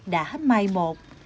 đã hết mai một